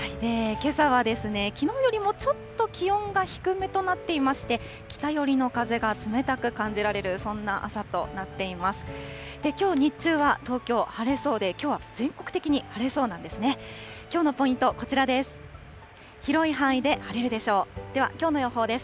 けさはきのうよりもちょっと気温が低めとなっていまして、北寄りの風が冷たく感じられる、そんな朝となっています。